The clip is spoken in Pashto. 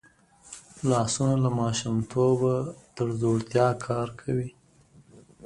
لاسونه له ماشومتوبه تر زوړتیا کار کوي